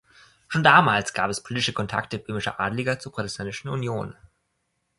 Schon damals gab es politische Kontakte böhmischer Adliger zur Protestantischen Union.